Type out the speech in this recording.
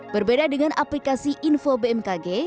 berbeda dengan aplikasi info bmkg